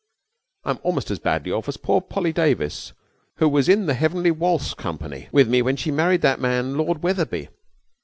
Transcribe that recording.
I'm almost as badly off as poor Polly Davis who was in the Heavenly Waltz Company with me when she married that man, Lord Wetherby.